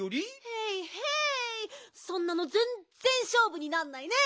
へいへいそんなのぜんぜんしょうぶになんないね！